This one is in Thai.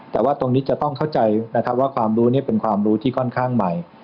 แต่ว่าตรงนี้จะต้องเข้าใจนะครับว่าความรู้เป็นความรู้ที่ค่อนข้างใหม่